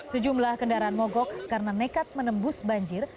sejumlah kendaraan mogok karena nekat menembus banjir